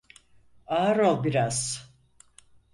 Ağır ol biraz.